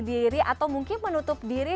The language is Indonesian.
diri atau mungkin menutup diri